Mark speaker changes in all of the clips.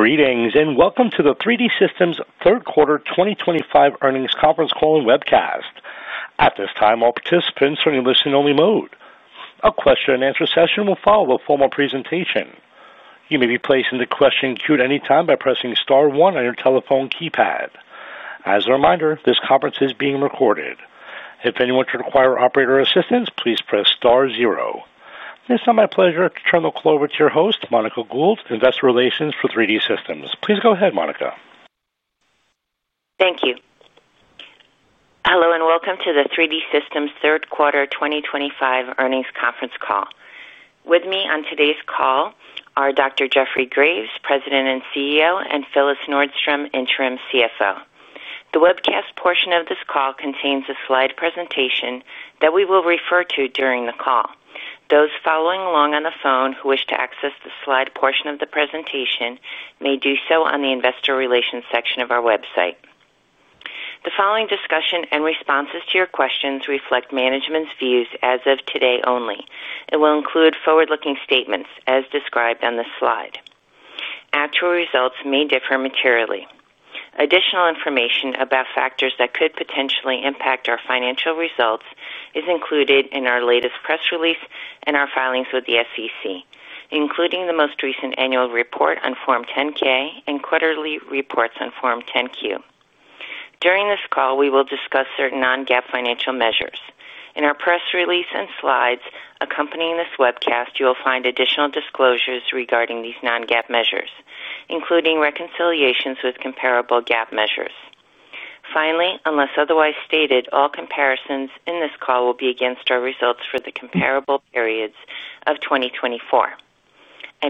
Speaker 1: Greetings and welcome to the 3D Systems Third Quarter 2025 Earnings Conference Call and Webcast. At this time all participants are in listen only mode. A question and answer session will follow a formal presentation. You may be placed into question queue at any time by pressing star one on your telephone keypad. As a reminder, this conference is being recorded. If anyone should require operator assistance, please press star zero. It is now my pleasure to turn the call over to your host, Monica Gould, Investor Relations for 3D Systems. Please go ahead, Monica.
Speaker 2: Thank you. Hello and welcome to the 3D Systems third quarter 2025 earnings conference call. With me on today's call are Dr. Jeffrey Graves, President and CEO, and Phyllis Nordstrom, Interim CFO. The webcast portion of this call contains a slide presentation that we will refer to during the call. Those following along on the phone who wish to access the slide portion of the presentation may do so on the Investor Relations section of our website. The following discussion and responses to your questions reflect management's views as of today only and will include forward-looking statements as described on this slide. Actual results may differ materially. Additional information about factors that could potentially impact our financial results is included in our latest press release and our filings with the SEC, including the most recent annual report on Form 10-K and quarterly reports on Form 10-Q. During this call we will discuss certain non-GAAP financial measures. In our press release and slides accompanying this webcast, you will find additional disclosures regarding these non-GAAP measures, including reconciliations with comparable GAAP measures. Finally, unless otherwise stated, all comparisons in this call will be against our results for the comparable periods of 2024.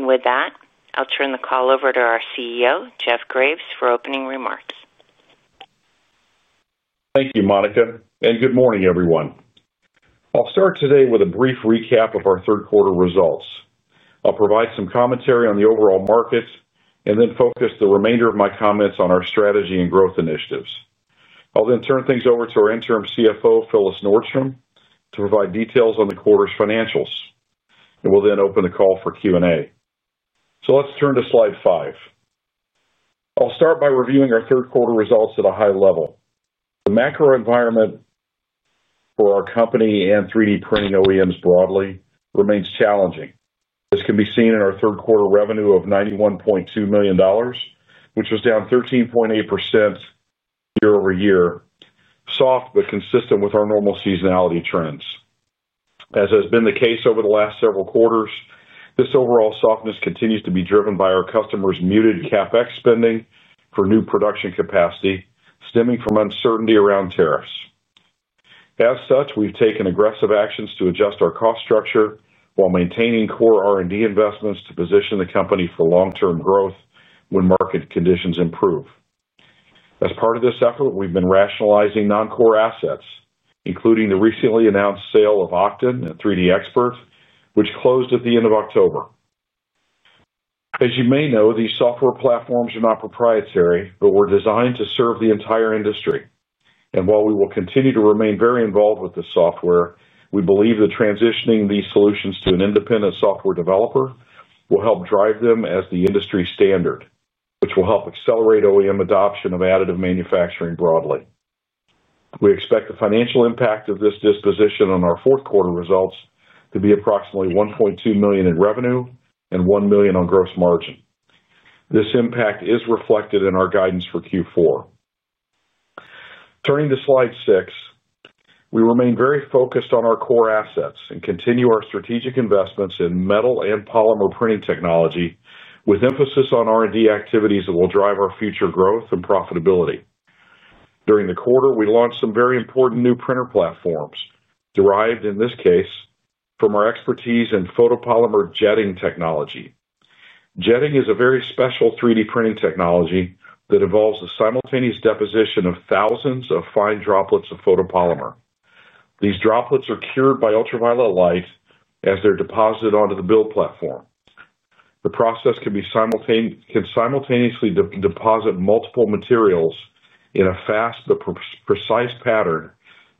Speaker 2: With that, I turn the call over to our CEO Jeff Graves for opening remarks.
Speaker 3: Thank you Monica and good morning everyone. I'll start today with a brief recap of our third quarter results. I'll provide some commentary on the overall market and then focus the remainder of my comments on our strategy and growth initiatives. I'll then turn things over to our Interim CFO Phyllis Nordstrom to provide details on the quarter's financials and we'll then open the call for Q&A. Let's turn to Slide 5. I'll start by reviewing our third quarter results at a high level. The macro environment for our company and 3D printing OEMs broadly remains challenging. This can be seen in our third quarter revenue of $91.2 million, which was down 13.8% year-over-year, soft but consistent with our normal seasonality trends. As has been the case over the last several quarters, this overall softness continues to be driven by our customers' muted Capex spending for new production capacity stemming from uncertainty around tariffs. As such, we've taken aggressive actions to adjust our cost structure while maintaining core R&D investments to position the company for long-term growth when market conditions improve. As part of this effort, we've been rationalizing non-core assets, including the recently announced sale of Oqton and 3DXpert, which closed at the end of October. As you may know, these software platforms are not proprietary but were designed to serve the entire industry. While we will continue to remain very involved with the software, we believe that transitioning these solutions to an independent software developer will help drive them as the industry standard, which will help accelerate OEM adoption of additive manufacturing broadly. We expect the financial impact of this disposition on our fourth quarter results to be approximately $1.2 million in revenue and $1 million on gross margin. This impact is reflected in our guidance for Q4. Turning to slide 6, we remain very focused on our core assets and continue our strategic investments in metal and polymer printing technology with emphasis on R&D activities that will drive our future growth and profitability. During the quarter, we launched some very important new printer platforms derived in this case from our expertise in photopolymer jetting technology. Jetting is a very special 3D printing technology that involves the simultaneous deposition of thousands of fine droplets of photopolymer. These droplets are cured by ultraviolet light as they're deposited onto the build platform. The process can simultaneously deposit multiple materials in a fast but precise pattern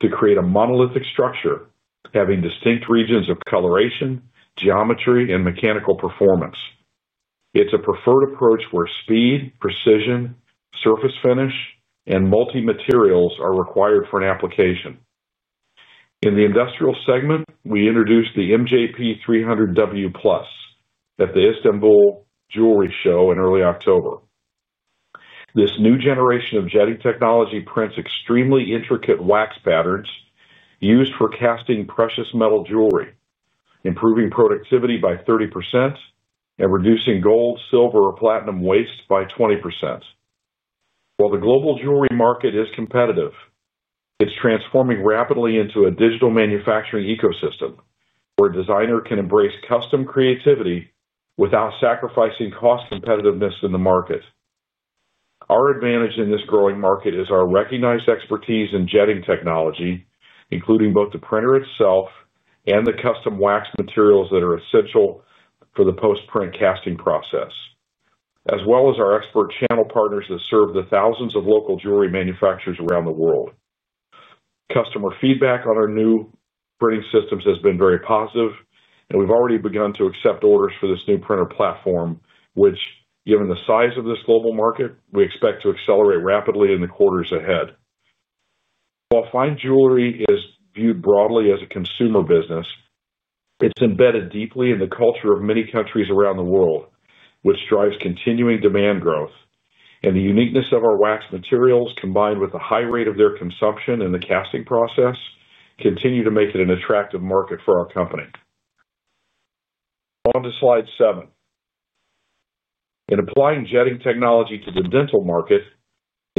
Speaker 3: to create a monolithic structure having distinct regions of coloration, geometry, and mechanical performance. It's a preferred approach where speed, precision, surface finish, and multi materials are required for an application. In the industrial segment, we introduced the MJP 300W Plus at the Istanbul Jewelry Show in early October. This new generation of jetting technology prints extremely intricate wax patterns used for casting precious metal jewelry, improving productivity by 30% and reducing gold, silver, or platinum waste by 20%. While the global jewelry market is competitive, it's transforming rapidly into a digital manufacturing ecosystem where a designer can embrace custom creativity without sacrificing cost competitiveness in the market. Our advantage in this growing market is our recognized expertise in jetting technology, including both the printer itself and the custom wax materials that are essential for the post print casting process, as well as our expert channel partners that serve the thousands of local jewelry manufacturers around the world. Customer feedback on our new printing systems has been very positive and we've already begun to accept orders for this new printer platform, which given the size of this global market, we expect to accelerate rapidly in the quarters ahead. While fine jewelry is viewed broadly as a consumer business, it's embedded deeply in the culture of many countries around the world, which drives continuing demand growth, and the uniqueness of our wax materials, combined with the high rate of their consumption in the casting process, continue to make it an attractive market for our company. On to slide 7 in applying jetting technology to the dental market.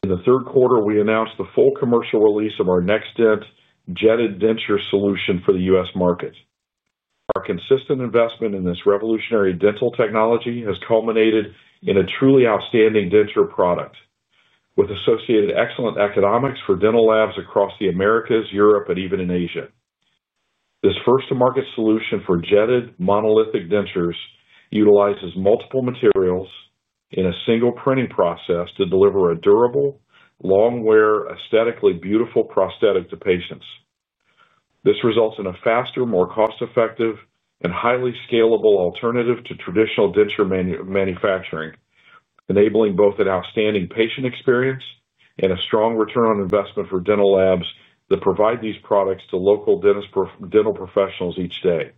Speaker 3: In the third quarter we announced the full commercial release of our NextDent Jetted Denture Solution for the U.S. market. Our consistent investment in this revolutionary dental technology has culminated in a truly outstanding denture product with associated excellent economics for dental labs across the Americas, Europe, and even in Asia. This first to market solution for jetted monolithic dentures utilizes multiple materials in a single printing process to deliver a durable, long wear, aesthetically beautiful prosthetic to patients. This results in a faster, more cost effective, and highly scalable alternative to traditional denture manufacturing, enabling both an outstanding patient experience and a strong return on investment for dental labs that provide these products to local dentist dental professionals each day.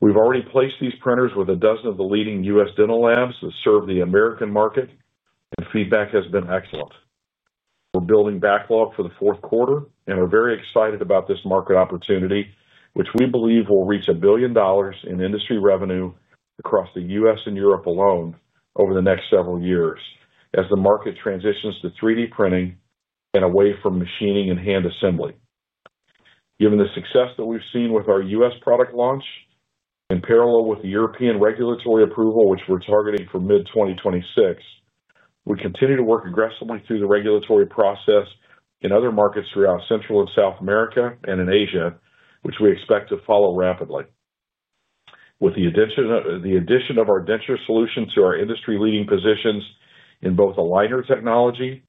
Speaker 3: We've already placed these printers with a dozen of the leading U.S. dental labs that serve the American market and feedback has been excellent. We're building backlog for the fourth quarter and are very excited about this market opportunity, which we believe will reach $1 billion in industry revenue across the U.S. and Europe alone over the next several years as the market transitions to 3D printing and away from machining and hand assembly. Given the success that we've seen with our U.S. product launch in parallel with the European regulatory approval which we're targeting for mid-2026, we continue to work aggressively through the regulatory process in other markets throughout Central and South America and in Asia, which we expect to follow rapidly. With the addition of our Denture Solutions to our industry leading positions in both aligner technology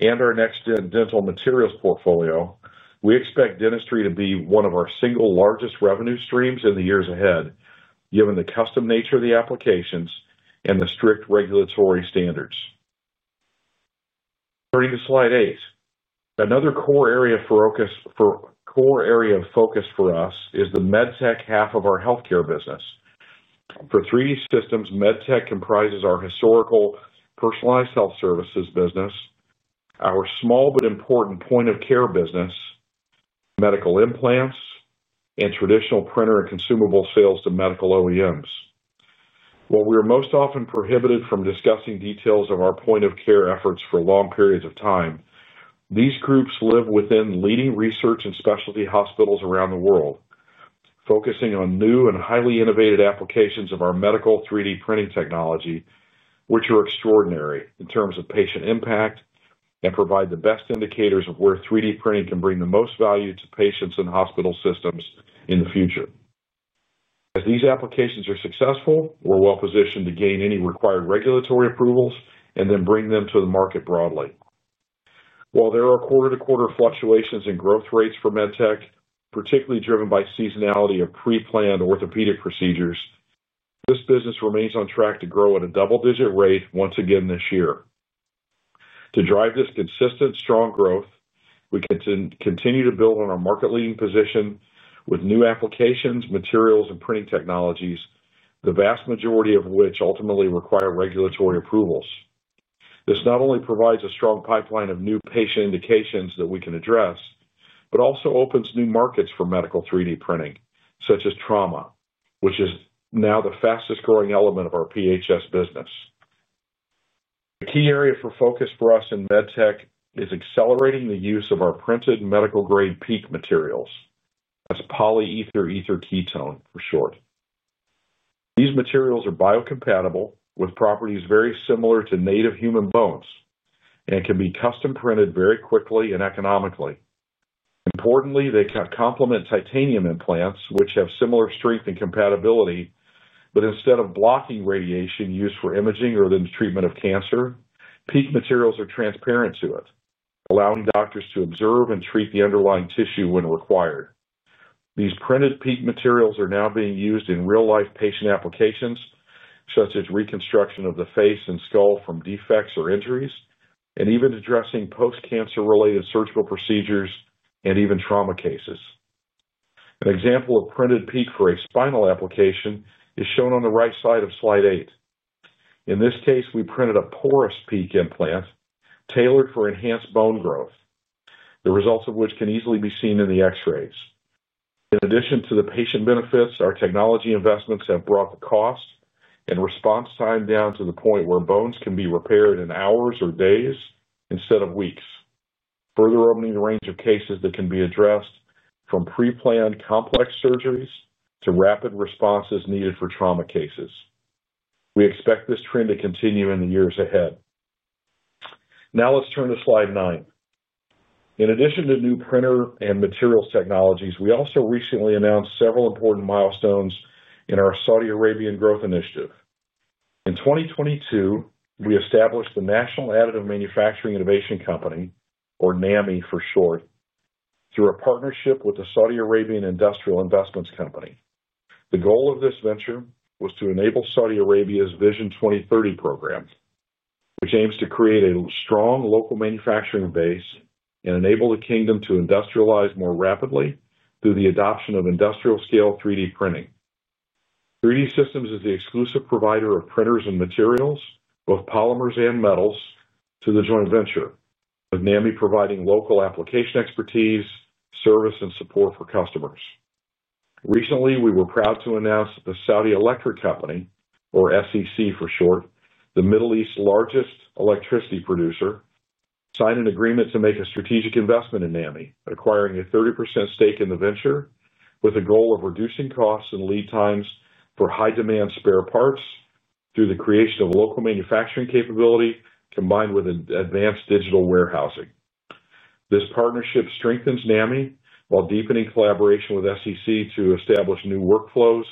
Speaker 3: and our NextDent dental materials portfolio, we expect dentistry to be one of our single largest revenue streams in the years ahead given the custom nature of the applications and the strict regulatory standards. Turning to slide 8. Another core area of focus for us is the MedTech half of our healthcare business. For 3D Systems, MedTech comprises our historical personalized health services business, our small but important point of care business, medical implants, and traditional printer and consumable sales to medical OEMs. While we are most often prohibited from discussing details of our point of care efforts for long periods of time, these groups live within leading research and specialty hospitals around the world focusing on new and highly innovative applications of our medical 3D printing technology, which are extraordinary in terms of patient impact and provide the best indicators of where 3D printing can bring the most value to patients and hospital systems, including the future. As these applications are successful, we're well positioned to gain any required regulatory approvals and then bring them to the market broadly. While there are quarter to quarter fluctuations in growth rates for MedTech, particularly driven by seasonality of pre planned orthopedic procedures, this business remains on track to grow at a double digit rate once again this year. To drive this consistent strong growth, we continue to build on our market leading position with new applications, materials, and printing technologies, the vast majority of which ultimately require regulatory approvals. This not only provides a strong pipeline of new patient indications that we can address, but also opens new markets for medical 3D printing such as trauma, which is now the fastest growing element of our PHS business. The key area for focus for us in MedTech is accelerating the use of our printed medical grade PEEK materials, that's Polyetheretherketone for short. These materials are biocompatible with properties very similar to native human bones and can be custom printed very quickly and economically. Importantly, they complement titanium implants which have similar strength and compatibility, but instead of blocking radiation used for imaging or the treatment of cancer, PEEK materials are transparent to it, allowing doctors to observe and treat the underlying tissue when required. These printed PEEK materials are now being used in real life patient applications such as reconstruction of the face and skull from defects or injuries, and even addressing post cancer related surgical procedures and even trauma cases. An example of printed PEEK for a spinal application is shown on the right side of slide 8. In this case, we printed a porous PEEK implant tailored for enhanced bone growth, the results of which can easily be seen in the x-rays. In addition to the patient benefits, our technology investments have brought the cost and response time down to the point where bones can be repaired in hours or days instead of weeks, further opening the range of cases that can be addressed from preplanned complex surgeries to rapid responses needed for trauma cases. We expect this trend to continue in the years ahead. Now let's turn to Slide 9. In addition to new printer and materials technologies, we also recently announced several important milestones in our Saudi Arabian Growth Initiative. In 2022, we established the National Additive Manufacturing Innovation Company, or NAMI for short, through a partnership with the Saudi Arabian Industrial Investments Company. The goal of this venture was to enable Saudi Arabia's Vision 2030 program, which aims to create a strong local manufacturing base and enable the Kingdom to industrialize more rapidly through the adoption of industrial scale 3D printing. 3D Systems is the exclusive provider of printers and materials, both polymers and metals, to the joint venture with NAMI providing local application expertise, service, and support for customers. Recently we were proud to announce that the Saudi Electric Company, or SEC for short, the Middle East's largest electricity producer, signed an agreement to make a strategic investment in NAMI, acquiring a 30% stake in the venture capital with a goal of reducing costs and lead times for high demand spare parts through the creation of local manufacturing capability combined with advanced digital warehousing. This partnership strengthens NAMI while deepening collaboration with SEC to establish new workflows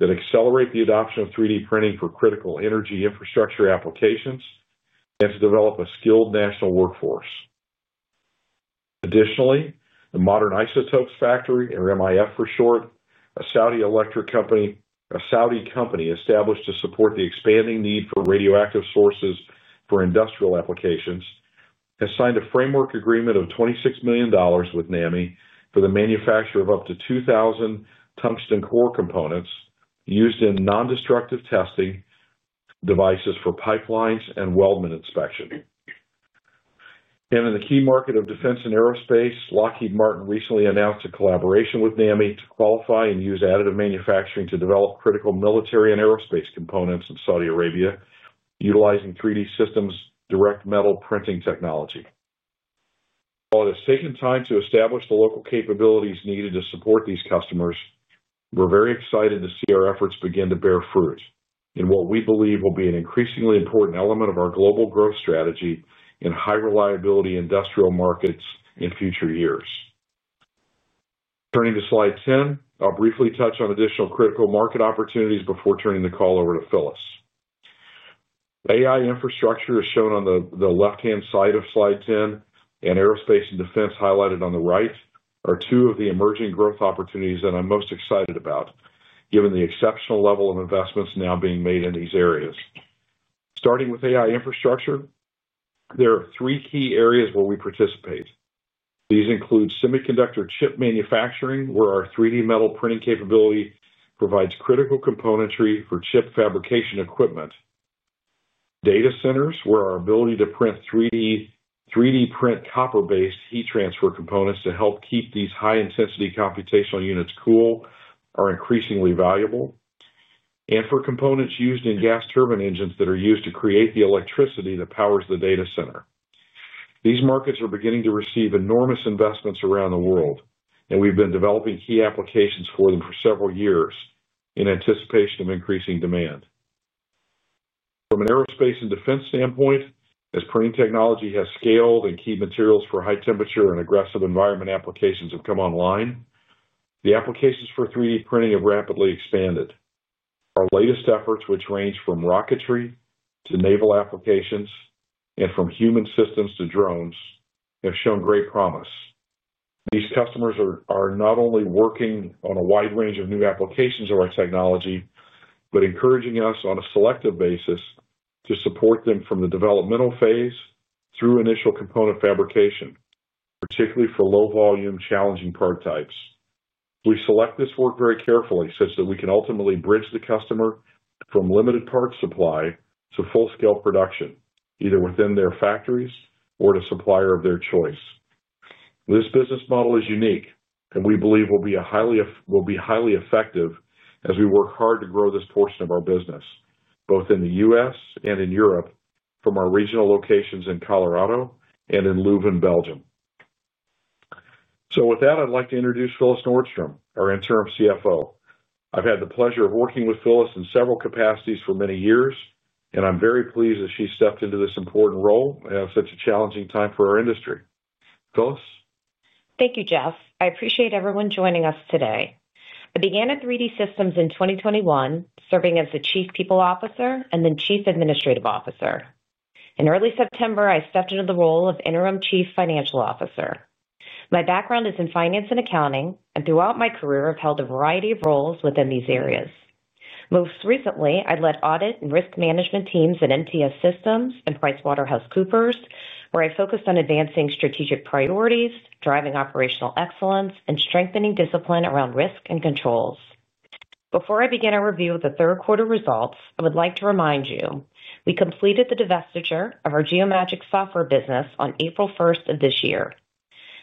Speaker 3: that accelerate the adoption of 3D printing for critical energy infrastructure applications and to develop a skilled national workforce. Additionally, the Modern Isotopes Factory, or MIF for short, a Saudi Electric Company, a Saudi company established to support the expanding need for radioactive sources for industrial applications, has signed a framework agreement of $26 million with NAMI for the manufacture of up to 2,000 tungsten core components used in non destructive testing devices for pipelines and weldment inspection and in the key market of defense and aerospace. Lockheed Martin recently announced a collaboration with NAMI to qualify and use additive manufacturing to develop critical military and aerospace components in Saudi Arabia, utilizing 3D Systems Direct Metal Printing Technology. While it has taken time to establish the local capabilities needed to support these customers, we're very excited to see our efforts begin to bear fruit in what we believe will be an increasingly important element of our global growth strategy in high reliability industrial markets in future years. Turning to Slide 10, I'll briefly touch on additional critical market opportunities before turning the call over to Phyllis. AI infrastructure as shown on the left hand side of Slide 10 and aerospace and defense highlighted on the right are two of the emerging growth opportunities that I'm most excited about given the exceptional level of investments now being made in these areas. Starting with AI infrastructure, there are three key areas where we participate. These include semiconductor chip manufacturing where our 3D metal printing capability provides critical componentry for chip fabrication equipment, data centers where our ability to 3D print copper-based heat transfer components to help keep these high-intensity computational units cool are increasingly valuable, and for components used in gas turbine engines that are used to create the electricity that powers the data center. These markets are beginning to receive enormous investments around the world and we've been developing key applications for them for several years in anticipation of increasing demand. From an aerospace and defense standpoint, as printing technology has scaled and key materials for high-temperature and aggressive environment applications have come online, the applications for 3D printing have rapidly expanded. Our latest efforts, which range from rocketry to naval applications and from human systems to drones, have shown great promise. These customers are not only working on a wide range of new applications of our technology, but encouraging us on a selective basis to support them from the developmental phase through initial component fabrication, particularly for low volume challenging part types. We select this work very carefully such that we can ultimately bridge the customer from limited part supply to full scale production either within their factories or to supplier of their choice. This business model is unique and we believe will be highly effective as we work hard to grow this portion of our business both in the U.S. and in Europe, from our regional locations in Colorado and in Leuven, Belgium. With that, I'd like to introduce Phyllis Nordstrom, our Interim CFO. I've had the pleasure of working with Phyllis in several capacities for many years and I'm very pleased that she stepped into this important role and a such a challenging time for our industry. Phyllis.
Speaker 4: Thank you, Jeff. I appreciate everyone joining us today. I began at 3D Systems in 2021, serving as the Chief People Officer and then Chief Administrative Officer. In early September, I stepped into the role of Interim Chief Financial Officer. My background is in finance and accounting, and throughout my career, I've held a variety of roles within these areas. Most recently, I led audit and risk management teams at MTS Systems and PricewaterhouseCoopers, where I focused on advancing strategic priorities, driving operational excellence, and strengthening discipline around risk and controls. Before I begin a review of the third quarter results, I would like to remind you we completed the divestiture of our Geomagic software business on April 1st of this year.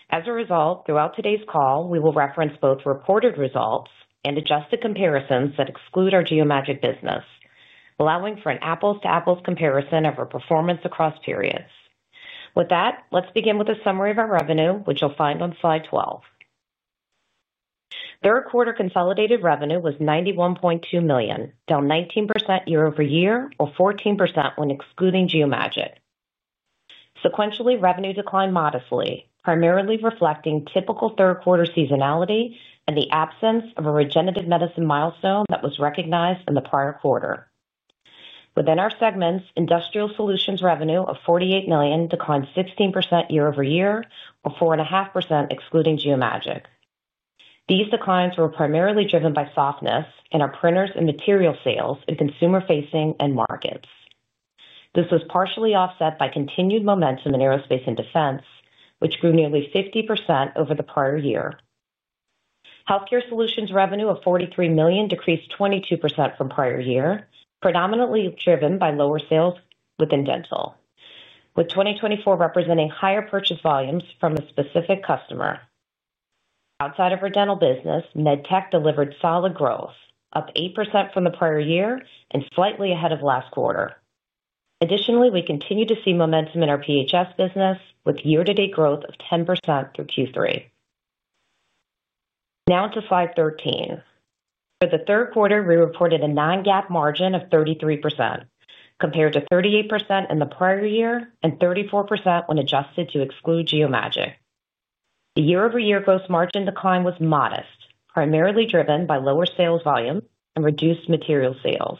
Speaker 4: As a result, throughout today's call we will reference both reported results and adjusted comparisons that exclude our Geomagic business, allowing for an apples-to-apples comparison of our performance across periods. With that, let's begin with a summary of our revenue which you'll find on slide 12. Third quarter consolidated revenue was $91.2 million, down 19% year-over-year or 14% when excluding Geomagic. Sequentially, revenue declined modestly, primarily reflecting typical third quarter seasonality and the absence of a regenerative medicine milestone that was recognized in the prior quarter. Within our segments, Industrial Solutions revenue of $48 million declined 16% year-over-year or 4.5% excluding Geomagic. These declines were primarily driven by softness in our printers and material sales in consumer facing end markets. This was partially offset by continued momentum in aerospace and defense, which grew nearly 50% over the prior year. Healthcare Solutions revenue of $43 million decreased 22% from prior year, predominantly driven by lower sales within dental, with 2024 representing higher purchase volumes from a specific customer. Outside of our dental business, MedTech delivered solid growth, up 8% from the prior year and slightly ahead of last quarter. Additionally, we continue to see momentum in our PHS business with year-to-date growth of 10% through Q3. Now to slide 13. For the third quarter we reported a non-GAAP margin of 33% compared to 38% in the prior year and 34% when adjusted to exclude Geomagic. The year-over-year gross margin decline was modest, primarily driven by lower sales volume and reduced material sales.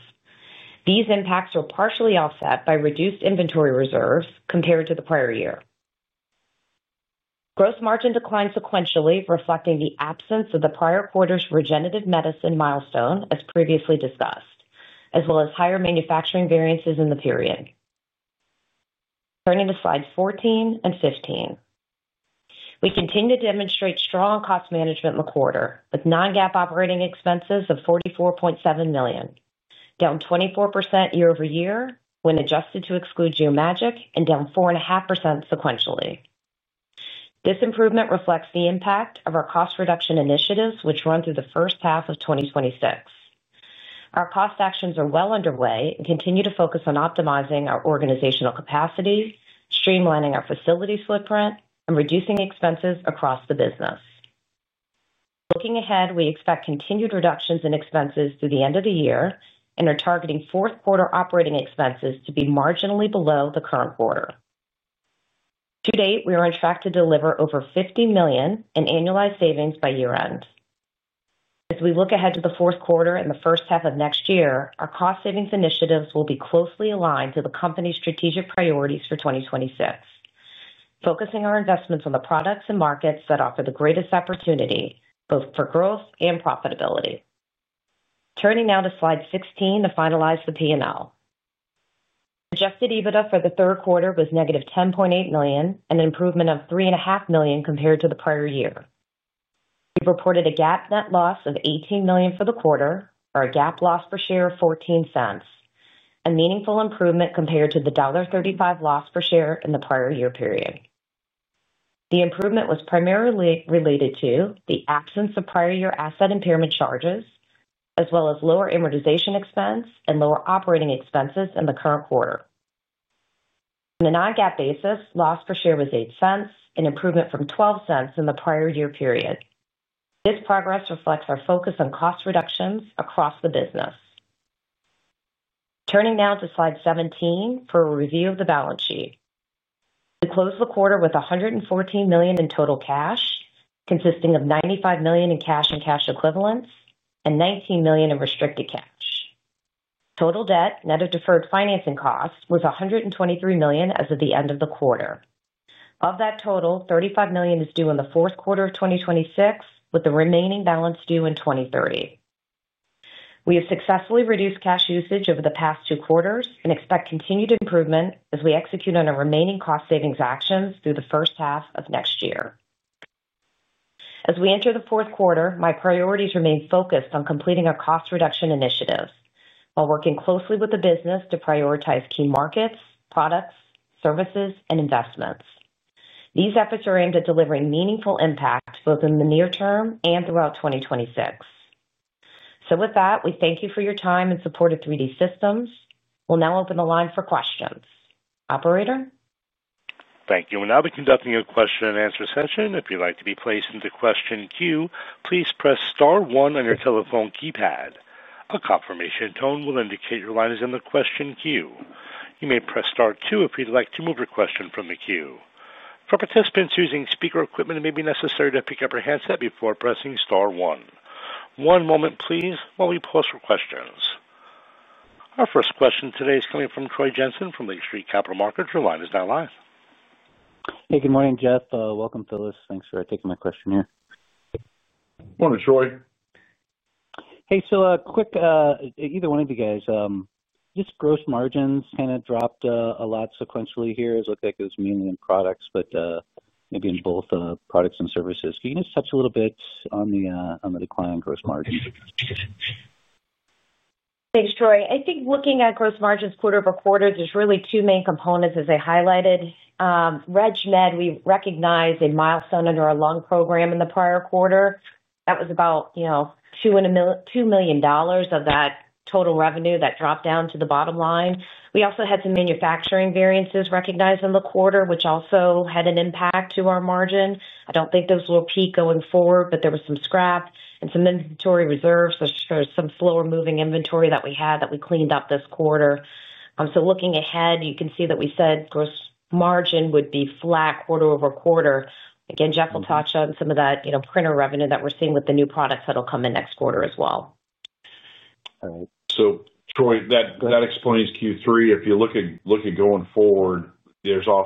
Speaker 4: These impacts were partially offset by reduced inventory reserves compared to the prior year. Gross margin declined sequentially reflecting the absence of the prior quarter's regenerative medicine milestone as previously discussed, as well as higher manufacturing variances in the period. Turning to Slide 14 and 15. We continue to demonstrate strong cost management in the quarter with non-GAAP operating expenses of $44.7 million, down 24% year-over-year when adjusted to exclude Geomagic and down 4.5% sequentially. This improvement reflects the impact of our cost reduction initiatives which run through the first half of 2026. Our cost actions are well underway and continue to focus on optimizing our organizational capacity, streamlining our facility footprint and reducing expenses across the business. Looking ahead, we expect continued reductions in expenses through the end of the year and are targeting fourth quarter operating expenses to be marginally below the current quarter. To date, we are on track to deliver over $50 million in annualized savings by year end. As we look ahead to the fourth quarter and the first half of next year, our cost savings initiatives will be closely aligned to the company's strategic priorities for 2026, focusing our investments on the products and markets that offer the greatest opportunity both for growth and profitability. Turning now to Slide 16 to finalize the P&L. Adjusted EBITDA for the third quarter was -$10.8 million and an improvement of $3.5 million compared to the prior year. We reported a GAAP net loss of $18 million for the quarter or a GAAP loss per share of $0.14, a meaningful improvement compared to the $1.35 loss per share in the prior year period. The improvement was primarily related to the absence of prior year asset impairment charges as well as lower amortization expense and lower operating expenses in the current quarter. On a non-GAAP basis, loss per share was $0.08, an improvement from $0.12 in the prior year period. This progress reflects our focus on cost reductions across the business. Turning now to slide 17 for a review of the balance sheet. We closed the quarter with $114 million in total cash, consisting of $95 million in cash and cash equivalents and $19 million in restricted cash. Total debt net of deferred financing costs was $123 million as of the end of the quarter. Of that total, $35 million is due in the fourth quarter of 2026, with the remaining balance due in 2030. We have successfully reduced cash usage over the past two quarters and expect continued improvement as we execute on our remaining cost savings actions through the first half of next year. As we enter the fourth quarter, my priorities remain focused on completing our cost reduction initiatives while working closely with the business to prioritize key markets, products, services, and investments. These efforts are aimed at delivering meaningful impact both in the near term and throughout 2026. We thank you for your time and support of 3D Systems. We'll now open the line for questions. Operator.
Speaker 1: Thank you. We will now be conducting a question and answer session. If you'd like to be placed into the question queue, please press star one on your telephone keypad. A confirmation tone will indicate your line is in the question queue. You may press star two if you'd like to remove your question from the queue. For participants using speaker equipment, it may be necessary to pick up your handset before pressing star one. One moment please, while we pause for questions. Our first question today is coming from Troy Jensen from Lake Street Capital Markets. Rewind is now live.
Speaker 5: Hey, good morning, Jeff. Welcome, Phyllis. Thanks for taking my question here.
Speaker 3: Morning, Troy.
Speaker 5: Hey, quick, either one of you guys, just gross margins kind of dropped a lot sequentially here. It looked like it was mainly in products, but maybe in both products and services. Can you just touch a little bit on the decline in gross margins?
Speaker 4: Thanks, Troy. I think looking at gross margins quarter over quarter, there's really two main components. As I highlighted, RegMed, we recognized a milestone under our LUNG program in the prior quarter that was about, you know, $2 million of that total revenue that dropped down to the bottom line. We also had some manufacturing variances recognized in the quarter which also had an impact to our margin. I don't think peak going forward, but there was some scrap and some inventory reserves, some slower moving inventory that we had that we cleaned up this quarter. Looking ahead, you can see that we said gross margin would be flat quarter over quarter again. Jeff will touch on some of that. You know, printer revenue that we're seeing with the new products that will come in next quarter as well.
Speaker 3: All right, Troy, that explains Q3. If you look at going forward, there are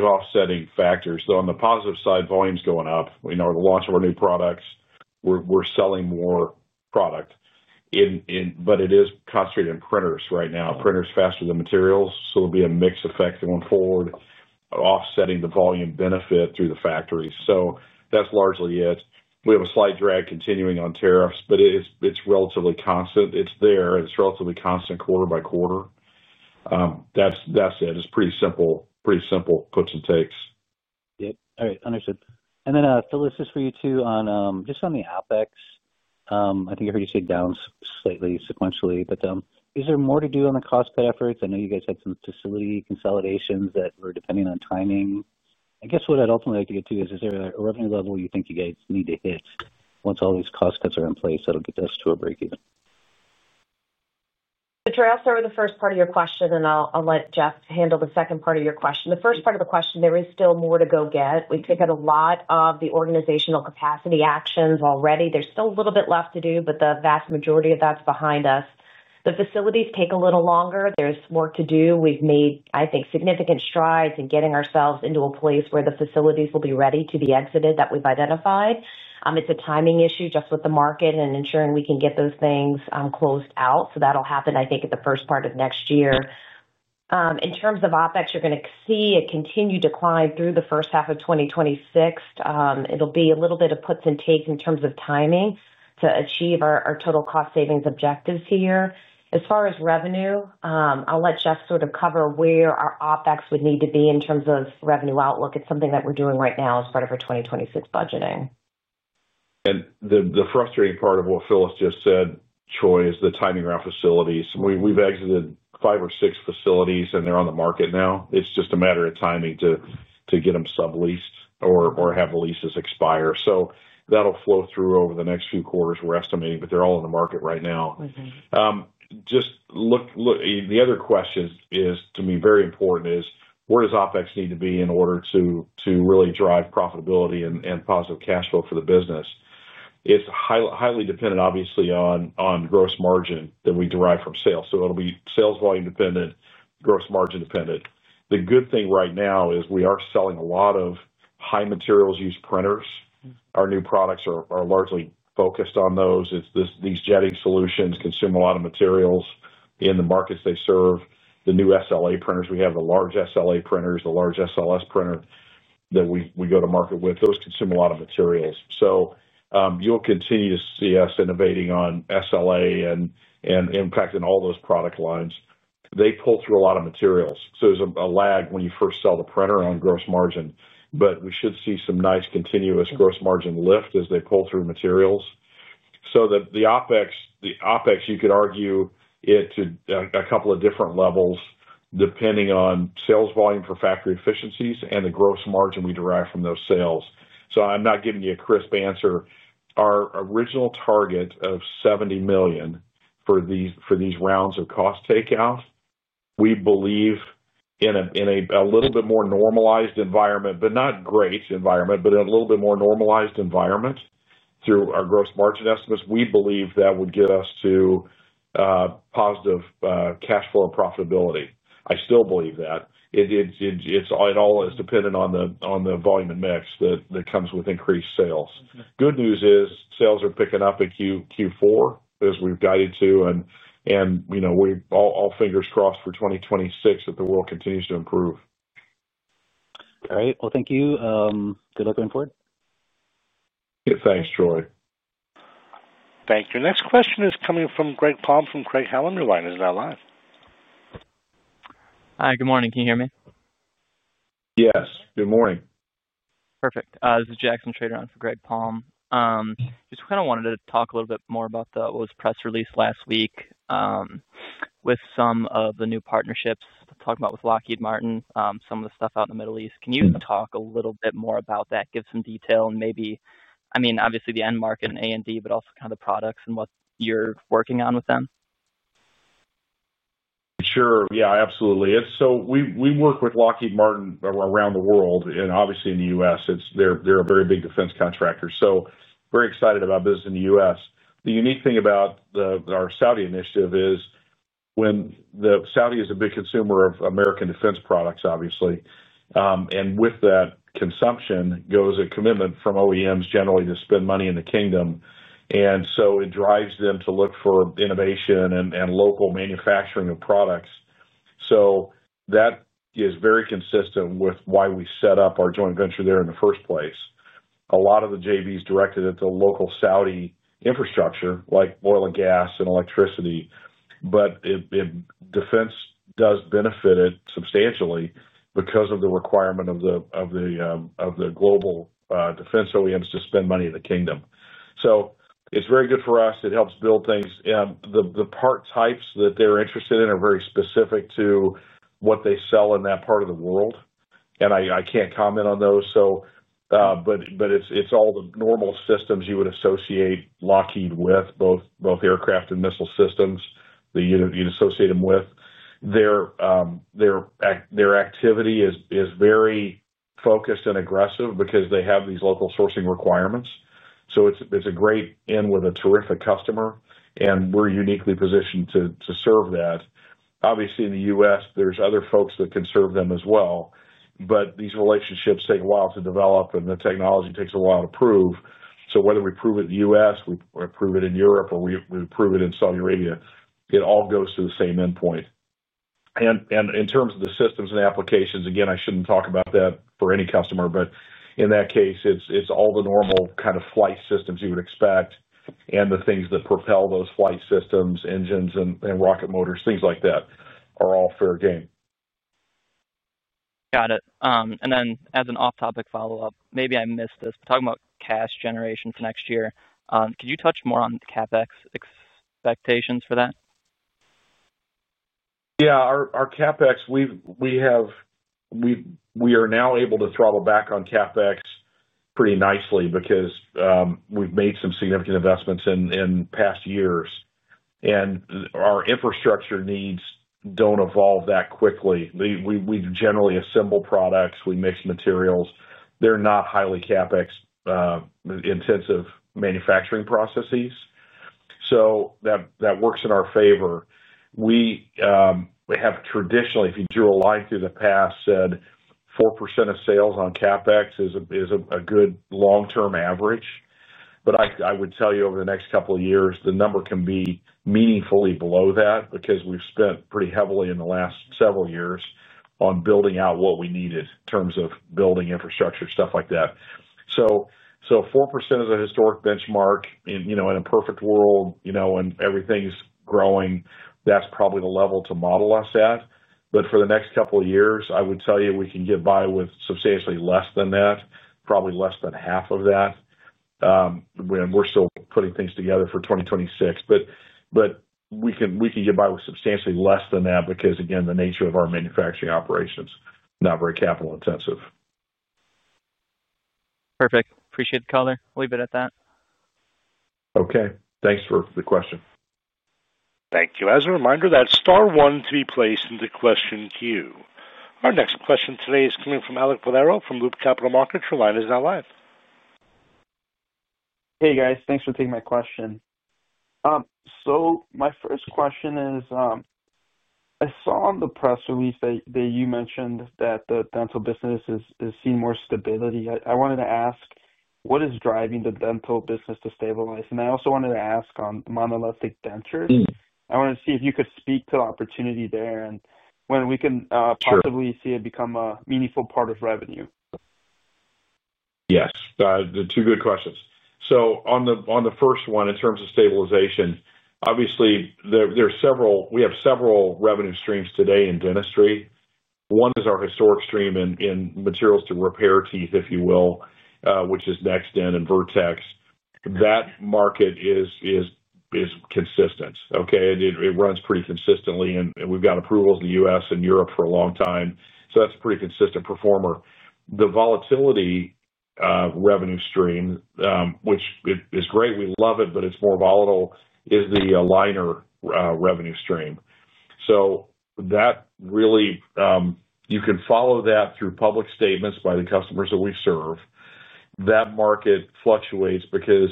Speaker 3: offsetting factors. On the positive side, volumes going up, you know, the launch of our new products, we are selling more product, but it is concentrated in printers right now. Printers faster than materials. There will be a mix effect going forward, offsetting the volume benefit through the factory. That is largely it. We have a slight drag continuing on tariffs, but it is relatively constant. It is there. It is relatively constant quarter by quarter. That is it. It is pretty simple. Pretty simple puts and takes.
Speaker 5: Yep. All right, understood. Phyllis, just for you too, on the OpEx, I think I heard you say down slightly sequentially, but is there more to do on the cost cut efforts? I know you guys had some facility consolidations that were depending on timing. I guess what I'd ultimately like to get to is, is there a revenue level you think you guys need to hit once all these cost cuts are in place that'll get us to a breakeven?
Speaker 4: Troy, I'll start with the first part of your question and I'll let Jeff handle the second part of your question. The first part of the question. There is still more to go get. We've taken a lot of the organizational capacity actions already. There's still a little bit left to do, but the vast majority of that's behind us. The facilities take a little longer. There's work to do. We've made, I think, significant strides in getting ourselves into a place where the facilities will be ready to be exited that we've identified. It's a timing issue just with the market and ensuring we can get those things closed out. That'll happen, I think, at the first part of next year. In terms of OpEx, you're going to see a continued decline through the first half of 2026. It'll be a little bit of puts and takes in terms of timing to achieve our total cost savings objectives here. As far as revenue, I'll let Jeff sort of cover where our OpEx would need to be in terms of revenue outlook. It's something that we're doing right now as part of our 2026 budgeting.
Speaker 3: The frustrating part of what Phyllis just said, Troy, is the timing around facilities. We've exited five or six facilities and they're on the market now. It's just a matter of timing to get them subleased or have the leases expire. That'll flow through over the next few quarters we're estimating. They're all in the market right now. The other question to me, very important, is where does OpEx need to be in order to really drive profitability and positive cash flow for the business? It's highly, obviously, on gross margin that we derive from sales. It'll be sales volume dependent, gross margin dependent. The good thing right now is we are selling a lot of high materials use printers. Our new products are largely focused on those. It's these jetting solutions consume a lot of materials in the markets they serve. The new SLA printers, we have the large SLA printers, the large SLS printer that we go to market with. Those consume a lot of materials. You will continue to see us innovating on SLA and impacting all those product lines. They pull through a lot of materials so there's a lag when you first sell the printer on gross margin. We should see some nice continuous gross margin lift as they pull through materials. The OpEx, you could argue it to a couple of different levels depending on sales volume, for factory efficiencies and the gross margin we derive from those sales. I'm not giving you a crisp answer. Our original target of $70 million for these rounds of cost takeout. We believe in a little bit more normalized environment, but not great environment, but a little bit more normalized environment. Through our gross margin estimates, we believe that would get us to positive cash flow profitability. I still believe that it all is dependent on the volume and mix that comes with increased sales. Good news is sales are picking up in Q4 as we've guided to, and all fingers crossed for 2026 that the world continues to improve.
Speaker 5: All right, thank you. Good luck going forward.
Speaker 3: Thanks Troy.
Speaker 1: Thank you. Next question is coming from Greg Palm from Craig-Hallum. Your line is now live.
Speaker 6: Hi, good morning, can you hear me?
Speaker 3: Yes, good morning.
Speaker 6: Perfect. This is Jackson Schroeder on for Greg Palm. Just kind of wanted to talk a little bit more about what was press released last week with some of the new partnerships talking about with Lockheed Martin, some of the stuff out in the Middle East. Can you talk a little bit more about that, give some detail and maybe I mean obviously the end market and A&D but also kind of the products and what you're working on with them.
Speaker 3: Sure, yeah, absolutely. So we work with Lockheed Martin around the world and obviously in the U.S. They're a very big defense contractor, so very excited about business in the U.S. The unique thing about our Saudi initiative is when the Saudis are a big consumer of American defense products obviously and with that consumption goes a commitment from OEMs generally to spend money in the Kingdom. It drives them to look for innovation and local manufacturing of products. That is very consistent with why we set up our joint venture there in the first place. A lot of the JV is directed at the local Saudi infrastructure like oil and gas and electricity. Defense does benefit it substantially because of the requirement of the global defense OEMs to spend money in the Kingdom. It is very good for us, it helps build things. The part types that they're interested in are very specific to what they sell in that part of the world and I can't comment on those. It's all the normal systems you would associate Lockheed with, both aircraft and missile systems that you'd associate them with. Their activity is very focused and aggressive because they have these local sourcing requirements. It's a great in with a terrific customer and we're uniquely positioned to serve that. Obviously in the U.S. there's other folks that can serve them as well, but these relationships take a while to develop and the technology takes a while to prove. Whether we prove it in the U.S., we prove it in Europe, or we prove it in Saudi Arabia, it all goes to the same endpoint. In terms of the systems and applications, again I shouldn't talk about that for any customer. In that case it's all the normal kind of flight systems you would expect and the things that propel those flight systems, engines and rocket motors, things like that, are all fair game.
Speaker 6: Got it. As an off topic follow up, maybe I missed this. Talking about cash generation for next year, could you touch more on CapEx expectations for that?
Speaker 3: Yeah, our CapEx, we are now able to throttle back on CapEx pretty nicely because we've made some significant investments in past years and our infrastructure needs don't evolve that quickly. We generally assemble products, we mix materials, they're not highly CapEx intensive manufacturing processes. That works in our favor. We have traditionally, if you drew a line through the past, said 4% of sales on CapEx is a good long term average. I would tell you over the next couple of years the number can be meaningfully below that because we've spent pretty heavily in the last several years on building out what we needed in terms of building infrastructure, stuff like that. 4% is a historic benchmark in a perfect world. Everything's growing, that's probably the level to model us at. For the next couple of years, I would tell you we can get by with substantially less than that, probably less than half of that when we're still putting things together for 2026. We can get by with substantially less than that because again, the nature of our manufacturing operations, not very capital intensive.
Speaker 6: Perfect. Appreciate the caller. Leave it at that.
Speaker 3: Okay, thanks for the question.
Speaker 1: Thank you. As a reminder that star one to be placed into question queue, our next question today is coming from Alek Valero from Loop Capital Markets. Your line is now live.
Speaker 7: Hey guys, thanks for taking my question. So my first question is, I saw in the press release that you mentioned that the dental business is seeing more stability. I wanted to ask what is driving the dental business to stabilize. I also wanted to ask on monolithic dentures, I wanted to see if you could speak to the opportunity there and when we can possibly see it become a meaningful part of revenue.
Speaker 3: Yes, two good questions. On the first one, in terms of stabilization, obviously there are several. We have several revenue streams today in dentistry. One is our historic stream in materials to repair teeth, if you will, which is NextDent and Vertex. That market is consistent, it runs pretty consistently and we've got approvals in the U.S. and Europe for a long time. That's a pretty consistent performer. The volatility revenue stream, which is great, we love it, but it's more volatile, is the aligner revenue stream. You can follow that through public statements by the customers that we serve. That market fluctuates because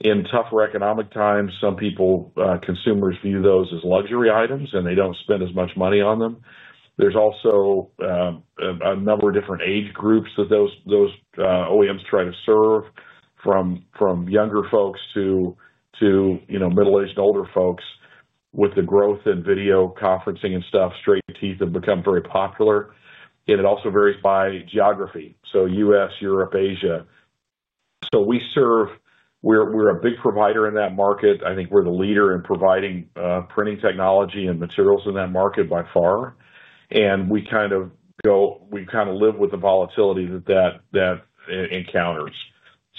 Speaker 3: in tougher economic times, some people, consumers view those as luxury items and they don't spend as much money on them. There's also a number of different age groups that those OEMs try to serve, from younger folks to middle aged older folks. With the growth in video conferencing and stuff, straight teeth have become very popular and it also varies by geography. U.S., Europe, Asia, so we serve, we're a big provider in that market. I think we're the leader in providing printing technology and materials in that market by far. We kind of go, we kind of live with the volatility that encounters.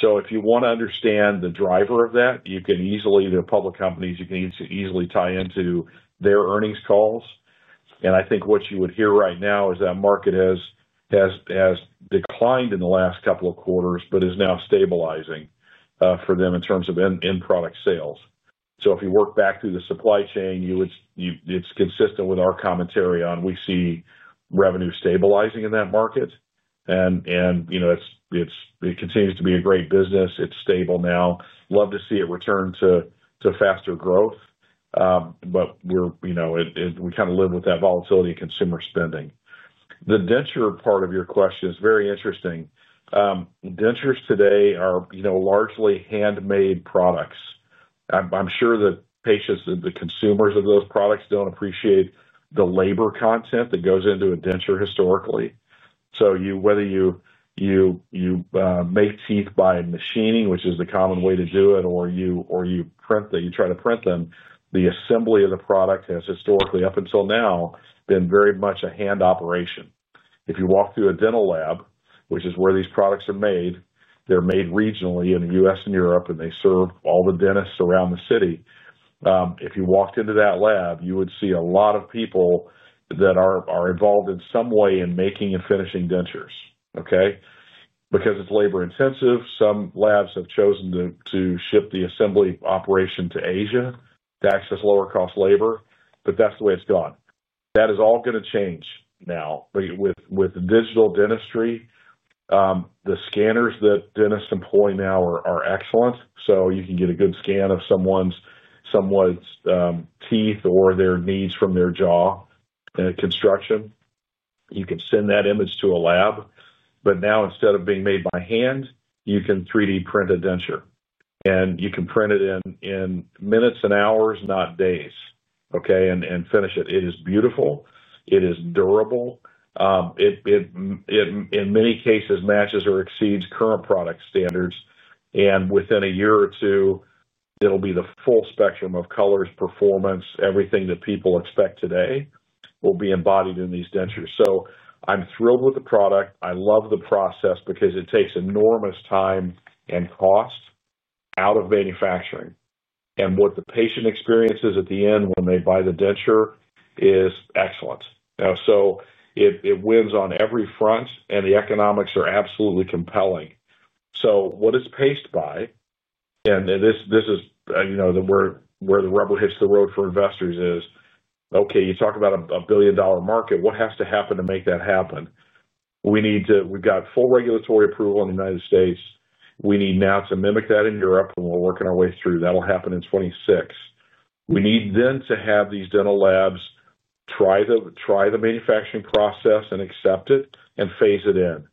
Speaker 3: If you want to understand the driver of that, you can easily, the public companies, you can easily tie into their earnings calls. I think what you would hear right now is that market has declined in the last couple of quarters, but is now stabilizing for them in terms of end product sales. If you work back through the supply chain, it's consistent with our commentary on, we see revenue stabilizing in that market. You know, it continues to be a great business, it's stable now. Love to see it return to faster growth. We're, you know, we kind of live with that volatility, consumer spending. The denture part of your question is very interesting. Dentures today are, you know, largely handmade products. I'm sure the patients and the consumers of those products don't appreciate the labor content that goes into a denture historically. Whether you make teeth by machining, which is the common way to do it, or you print that, you try to print them, the assembly of the product has historically up until now been very much a hand operation. If you walk through a dental lab, which is where these products are made, they're made regionally in the U.S. and Europe and they serve all the dentists around the city. If you walked into that lab, you would see a lot of people that are involved in some way in making and finishing dentures. Okay. Because it's labor intensive, some labs have chosen to ship the assembly operation to Asia to access lower cost labor. That is the way it's gone. That is all going to change now with digital dentistry. The scanners that dentists employ now are excellent. You can get a good scan of someone's, someone's teeth or their needs from their jaw construction. You can send that image to a lab. Now, instead of being made by hand, you can 3D print a denture and you can print it in minutes and hours, not days. Okay, and finish it. It is beautiful, it is durable. In many cases matches or exceeds current product standards. Within a year or two, it'll be the full spectrum of colors, performance, everything that people expect today will be embodied in these dentures. I'm thrilled with the product. I love the process because it takes enormous time and cost out of manufacturing. What the patient experiences at the end when they buy the denture is excellent. It wins on every front. The economics are absolutely compelling. What it's paced by, and this is, you know, where the rubber hits the road for investors is, okay, you talk about a billion dollar market. What has to happen to make that happen? We need to, we've got full regulatory approval in the United States. We need now to mimic that in Europe. We're working our way through. That'll happen in 2026. We need then to have these dental labs try the manufacturing process and accept it and phase it in.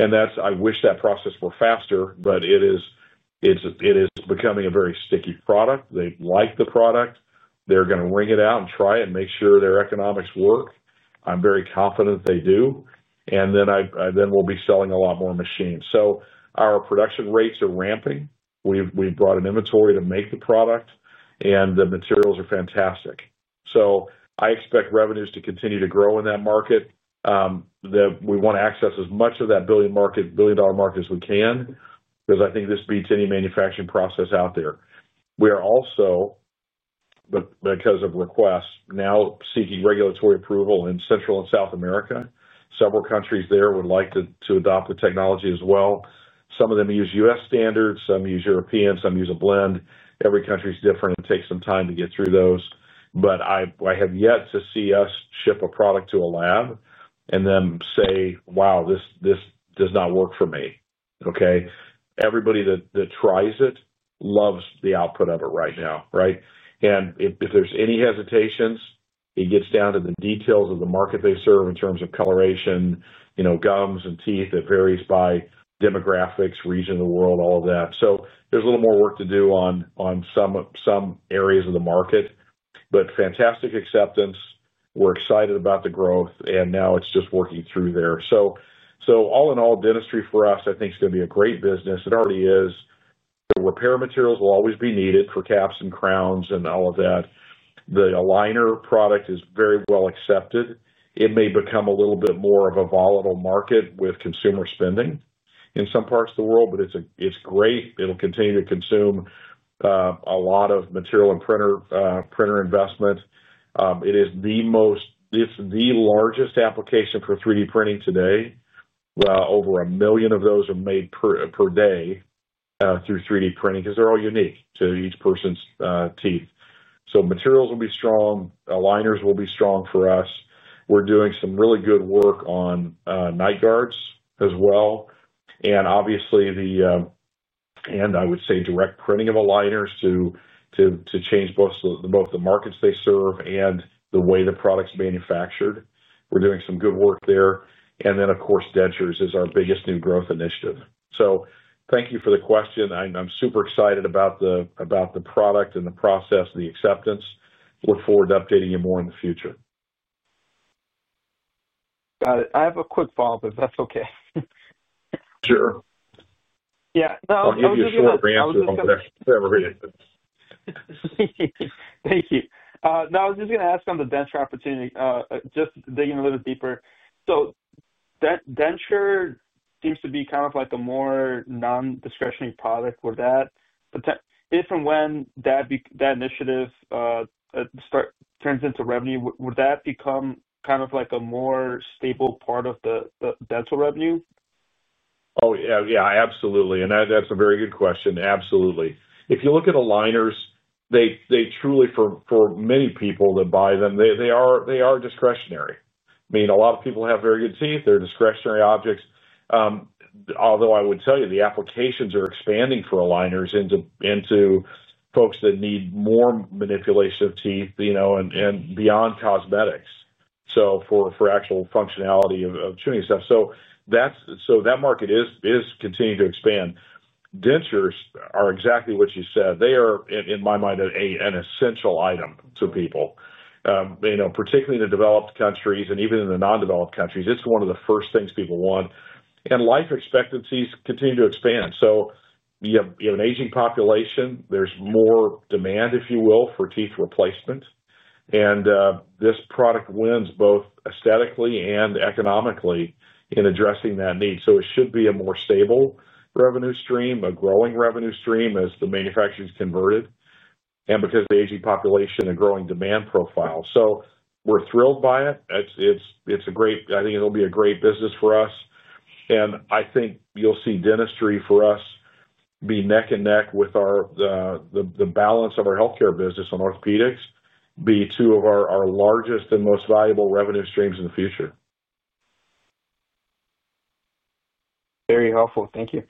Speaker 3: I wish that process were faster, but it is. It is becoming a very sticky product. They like the product. They're going to ring it out and try and make sure their economics work. I'm very confident they do. I then will be selling a lot more machines. Our production rates are ramping. We've brought in inventory to make the product and the materials are fantastic. I expect revenues to continue to grow in that market. We want to access as much of that billion dollar market as we can because I think this beats any manufacturing process out there. We are also, because of requests, now seeking regulatory approval in Central and South America. Several countries there would like to adopt the technology as well. Some of them use U.S. standards, some use European, some use a blend. Every country is different and takes some time to get through those. I have yet to see us ship a product to a lab and then say, wow, this does not work for me. Everybody that tries it loves the output of it right now. If there are any hesitations, it gets down to the details of the market they serve in terms of coloration, you know, gums and teeth. That varies by demographics, region of the world, all of that. There is a little more work to do on some areas of the market. Fantastic acceptance. We are excited about the growth and now it is just working through there. All in all, dentistry for us, I think is going to be a great business. It already is. The repair materials will always be needed for caps and crowns and all of that. The aligner product is very well accepted. It may become a little bit more of a volatile market with consumer spending in some parts of the world, but it's great. It'll continue to consume a lot of material and printer investment, it is the most. It's the largest application for 3D printing today. Over a million of those are made per day through 3D printing because they're all unique to each person's teeth. Materials will be strong, aligners will be strong. For us, we're doing some really good work on night guards as well. Obviously, the, and I would say direct printing of aligners to change both the markets they serve and the way the product's manufactured. We're doing some good work there. Of course, dentures is our biggest new growth initiative. Thank you for the question. I'm super excited about the product and the process, the acceptance. Look forward to updating you more in the future.
Speaker 7: Got it. I have a quick follow up, if that's okay.
Speaker 3: Sure.
Speaker 7: Yeah.
Speaker 3: I'll give you a short answer.
Speaker 7: Thank you. No, I was just going to ask on the denture opportunity, just digging a little deeper. Denture seems to be kind of like a more non-discretionary product where that if and when that initiative turns into revenue, would that become kind of like a more stable part of the dental revenue?
Speaker 3: Oh, yeah, absolutely. And that's a very good question. Absolutely. If you look at aligners, they truly for many people that buy them, they are discretionary. I mean a lot of people have very good teeth. They're discretionary objects. Although I would tell you the applications are expanding for aligners into folks that need more manipulation of teeth and beyond cosmetics for actual functionality of chewing stuff. That market is continuing to expand. Dentures are exactly what you said. They are in my mind an essential item to people, particularly in the developed countries and even in the non developed countries. It's one of the first things people want to and life expectancies continue to expand. You have an aging population. There is more demand, if you will, for teeth replacement and this product wins both aesthetically and economically in addressing that need. It should be a more stable revenue stream, a growing revenue stream as the manufacturing is converted and because of the aging population and growing demand profile. We are thrilled by it. It is a great, I think it will be a great business for us. I think you will see dentistry for us be neck and neck with the balance of our healthcare business on orthopedics, be two of our largest and most valuable revenue streams in the future.
Speaker 7: Very helpful. Thank you.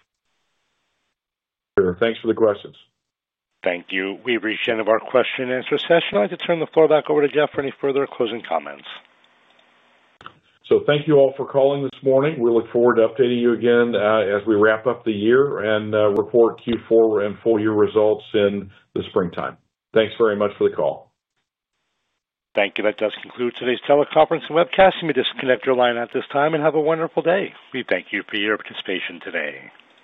Speaker 3: Thanks for the questions.
Speaker 1: Thank you. We've reached the end of our question and answer session. I'd like to turn the floor back over to Jeff for any further closing comments.
Speaker 3: Thank you all for calling this morning. We look forward to updating you again as we wrap up the year and report Q4 and full year results in the springtime. Thanks very much for the call.
Speaker 1: Thank you. That does conclude today's teleconference and webcast. You may disconnect your line at this time and have a wonderful day. We thank you for your participation today.